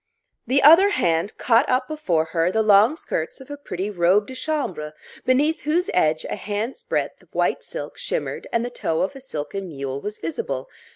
The other hand caught up before her the long skirts of a pretty robe de chambre, beneath whose edge a hand's breadth of white silk shimmered and the toe of a silken mule was visible.